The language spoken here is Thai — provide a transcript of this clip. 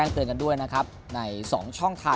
เสือด้วยทำยังไง